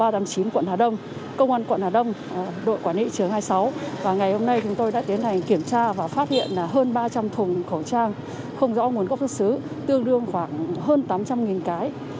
trong thùng khẩu trang không rõ nguồn gốc xuất xứ tương đương khoảng hơn tám trăm linh cái